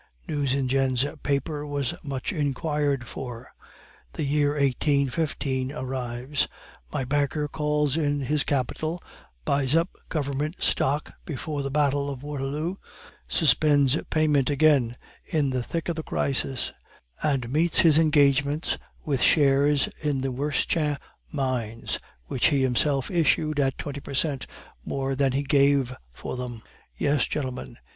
Nucingen's paper was much inquired for. The year 1815 arrives, my banker calls in his capital, buys up Government stock before the battle of Waterloo, suspends payment again in the thick of the crisis, and meets his engagements with shares in the Wortschin mines, which he himself issued at twenty per cent more than he gave for them! Yes, gentlemen!